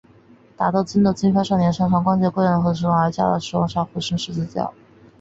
打斗间惊动了金发少年擅长使用双节棍的石黑龙而加入战圈且与王小虎结成生死之交。